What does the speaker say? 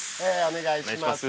お願いします